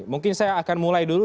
mungkin saya akan mulai dulu